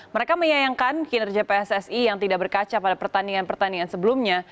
mereka menyayangkan kinerja pssi yang tidak berkaca pada pertandingan pertandingan sebelumnya